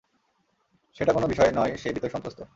সেইটা কোন বিষয় নয় সে ভীত সন্ত্রস্ত।